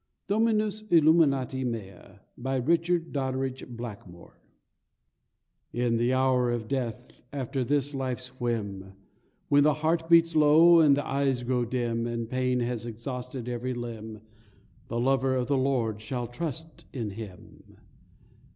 DOMINUS ILLUMINATIO MEA BY RICHARD DODDRIDGE BLACKMORE 1 In the hour of death, after this life's whim, When the heart beats low, and the eyes grow dim, And pain has exhausted every limb The lover of the Lord shall trust in Him.